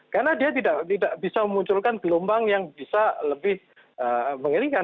karena dia tidak bisa memunculkan gelombang yang bisa lebih mengelilingkan